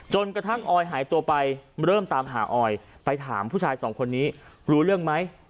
กระทั่งออยหายตัวไปเริ่มตามหาออยไปถามผู้ชายสองคนนี้รู้เรื่องไหม